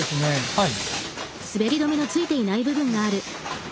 はい。